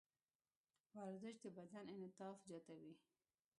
ورزش د بدن انعطاف زیاتوي.